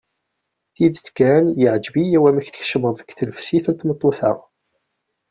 Tidet kan yeɛjeb-iyi wamek tkecmeḍ deg tnefsit n tmeṭṭut-a.